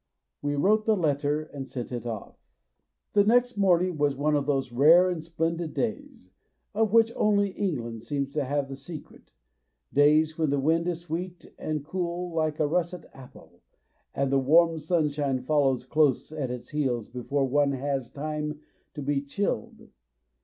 We wrote the letter and sent it off. The next morning was one of those rare and splendid days of which only England seems to have the secret days when the wind is sweet and cool like a russet apple, and the warm sunshine follows close at its heels before one has time to be chilled.